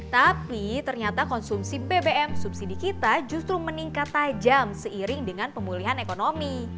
tapi ternyata konsumsi bbm subsidi kita justru meningkat tajam seiring dengan pemulihan ekonomi